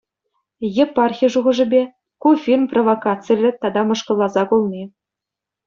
Епархи шухашӗпе, ку фильм провокациллӗ тата мӑшкӑлласа кулни.